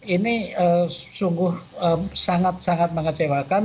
ini sungguh sangat sangat mengecewakan